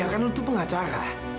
ya kan lo tuh pengacara